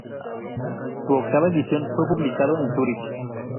Su octava edición fue publicado en Zúrich.